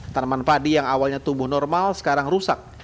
tanaman padi yang awalnya tumbuh normal sekarang rusak